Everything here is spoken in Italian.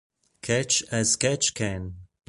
Catch as Catch Can